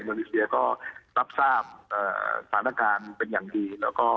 โดนีเซียก็รับทราบสถานการณ์เป็นอย่างดีแล้วก็